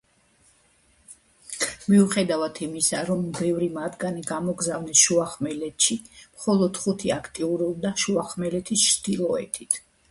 მიუხედავად იმისა, რომ ბევრი მათგანი გამოგზავნეს შუახმელეთში, მხოლოდ ხუთი აქტიურობდა შუახმელეთის ჩრდილოეთით.